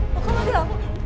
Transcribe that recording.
paku ada apa